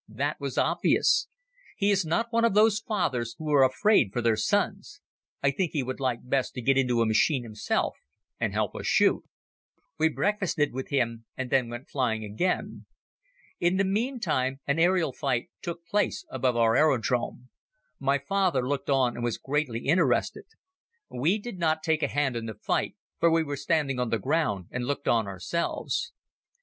That was obvious. He is not one of those fathers who are afraid for their sons. I think he would like best to get into a machine himself and help us shoot. We breakfasted with him and then we went flying again. In the meantime, an aerial fight took place above our aerodrome. My father looked on and was greatly interested. We did not take a hand in the fight for we were standing on the ground and looked on ourselves.